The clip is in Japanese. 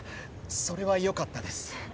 それはよかったです。